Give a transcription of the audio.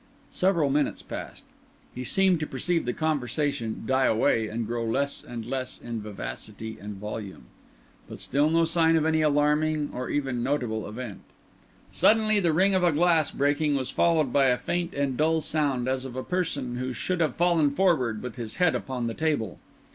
Several minutes passed. He seemed to perceive the conversation die away and grow less and less in vivacity and volume; but still no sign of any alarming or even notable event. Suddenly the ring of a glass breaking was followed by a faint and dull sound, as of a person who should have fallen forward with his head upon the table.